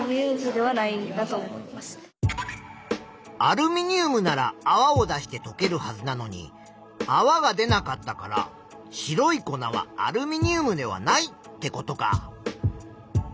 アルミニウムならあわを出してとけるはずなのにあわが出なかったから白い粉はアルミニウムではないってことか。